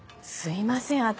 すみません